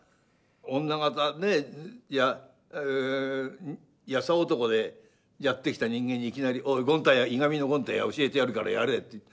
女方で優男でやってきた人間にいきなり「おい『いがみの権太』教えてやるからやれ」って。